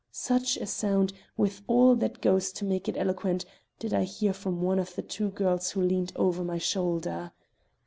Such a sound, with all that goes to make it eloquent, did I hear from one of the two girls who leaned over my shoulder.